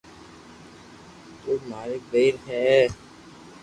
تو ماري ٻير ھي